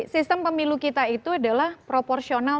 sistem pemilu kita itu adalah proporsional